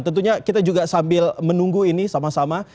tentunya kita juga sambil menunggu ini sama sama